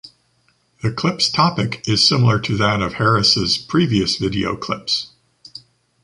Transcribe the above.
The clip’s topic is similar to that of Harris’ previous videoclips.